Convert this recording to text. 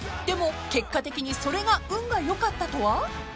［でも結果的にそれが運が良かったとは？］